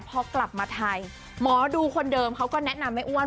พอกลับมาไทยหมอดูคนเดิมเขาก็แนะนำแม่อ้วน